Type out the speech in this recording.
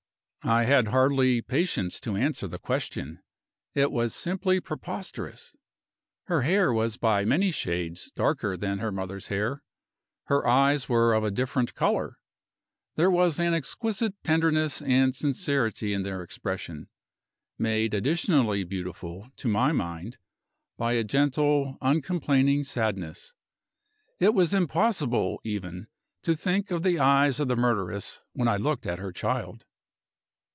I had hardly patience to answer the question: it was simply preposterous. Her hair was by many shades darker than her mother's hair; her eyes were of a different color. There was an exquisite tenderness and sincerity in their expression made additionally beautiful, to my mind, by a gentle, uncomplaining sadness. It was impossible even to think of the eyes of the murderess when I looked at her child.